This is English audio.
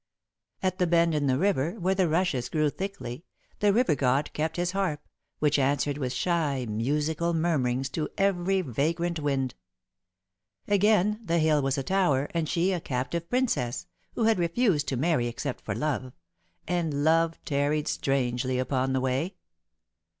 At the bend in the river, where the rushes grew thickly, the river god kept his harp, which answered with shy, musical murmurings to every vagrant wind. Again, the hill was a tower, and she a captive princess, who had refused to marry except for love, and Love tarried strangely upon the way.